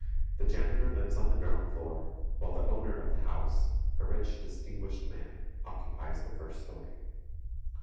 The janitor lives on the ground floor, while the owner of the house, a rich, distinguished man, occupies the first story.